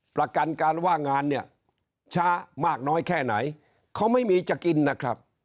ประกันการว่างงานเนี่ยช้ามากน้อยแค่ไหนเขาไม่มีจะกินนะครับ